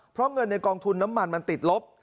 เพราะเงินในกองทุนน้ำมันมันติดลบ